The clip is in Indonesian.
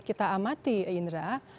kita amati indra